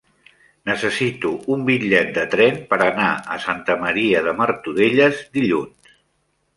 Necessito un bitllet de tren per anar a Santa Maria de Martorelles dilluns.